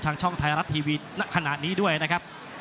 ช่องไทยรัฐทีวีณขณะนี้ด้วยนะครับ